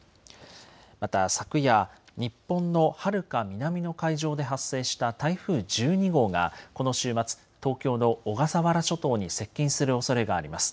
また昨夜、日本のはるか南の海上で発生した台風１２号がこの週末、東京の小笠原諸島に接近するおそれがあります。